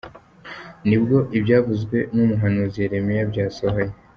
Ni bwo ibyavuzwe n’umuhanuzi Yeremiya byasohoye